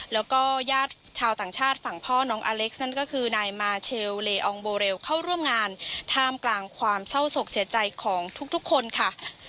แล้วก็ญาติชาวต่างชาติฝั่งพ่อน้องอเล็กซ์นั่นก็คือนายมาเชลเลอองโบเรลเข้าร่วมงานท่ามกลางความเศร้าศกเสียใจของทุกคนค่ะ